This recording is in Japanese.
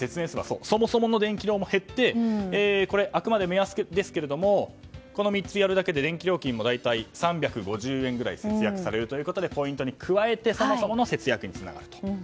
そもそもの電気量も減ってあくまで目安ですけれどもこの３つやるだけで電気料金が３５０円くらい節約されるということでポイントに加えてそもそもの節約につながると。